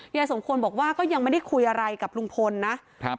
ยายสมควรบอกว่าก็ยังไม่ได้คุยอะไรกับลุงพลนะครับ